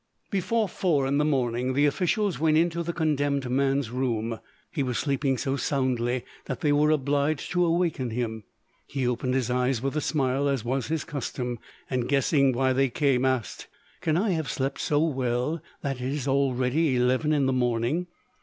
Before four in the morning the officials went into the condemned man's room; he was sleeping so soundly that they were obliged to awaken him. He opened his eyes with a smile, as was his custom, and guessing why they came, asked, "Can I have slept so well that it is already eleven in the morning?"